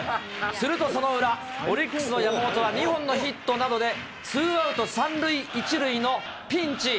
するとその裏、オリックスの山本は２本のヒットなどで、ツーアウト３塁１塁のピンチ。